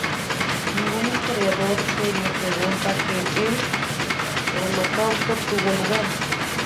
Ningún historiador serio pregunta que el Holocausto tuvo lugar".